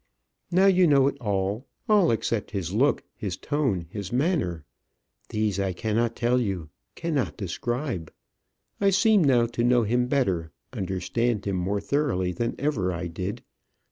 Now you know it all; all except his look, his tone, his manner. These I cannot tell you cannot describe. I seem now to know him better, understand him more thoroughly than ever I did.